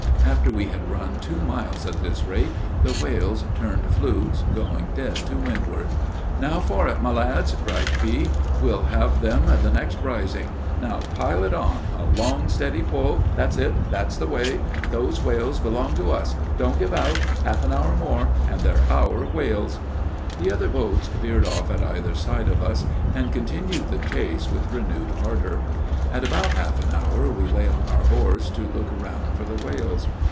After we had run two miles at this rate, the whales turned flukes, going dead to windward. "Now for it, my lads!" cried P . "We'll have them the next rising. Now pile it on! a long, steady pull! That's it! that's the way! Those whales belong to us. Don't give out! Half an hour more, and they're our whales!" The other boats veered off at either side of us, and continued the chase with renewed ardor. In about half an hour we lay on our oars to look round for the whales.